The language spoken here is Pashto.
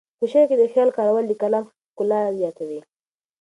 په شعر کې د خیال کارول د کلام ښکلا زیاتوي.